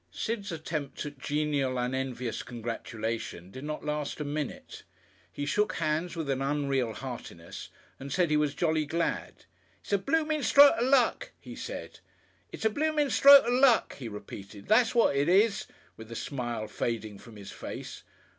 Sid's attempt at genial unenvious congratulation did not last a minute. He shook hands with an unreal heartiness and said he was jolly glad. "It's a blooming stroke of Luck," he said. "It's a bloomin' stroke of Luck," he repeated; "that's what it is," with the smile fading from his face.